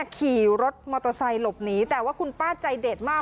ขี่รถมอเตอร์ไซค์หลบหนีแต่ว่าคุณป้าใจเด็ดมาก